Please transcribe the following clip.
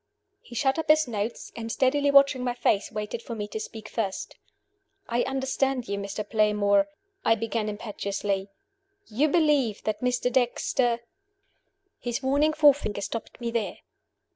He shut up his notes, and, steadily watching my face, waited for me to speak first. "I understand you, Mr. Playmore," I beg impetuously. "You believe that Mr. Dexter " His warning forefinger stopped me there.